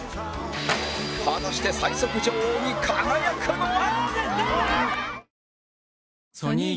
果たして最速女王に輝くのは？